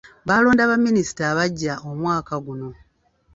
Baalonda baminisita abaggya omwaka guno.